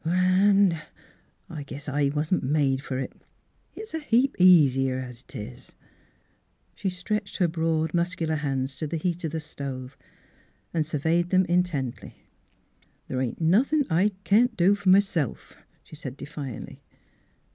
Land! I guess I wasn't made fer it. It's a heap easier 's 'tis." She stretched her broad, muscular hands to the heat of the stove and sur veyed them intently, " The' ain't nothin' I can't do fer m'self," she said defiantly.